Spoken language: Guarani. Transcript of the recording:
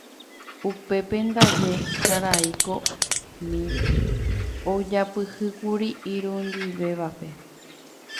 Upépe ndaje karai komi ojapyhýkuri irundyvévape.